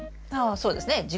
ああそうですね。